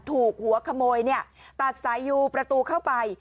ถูกหัวขโมยตัดสายยูประตูเข้าไป